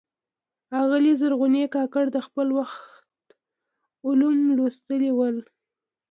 آغلي زرغونې کاکړي د خپل وخت علوم لوستلي ول.